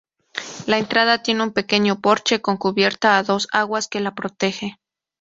La entrada tiene un pequeño porche, con cubierta a dos aguas, que la protege.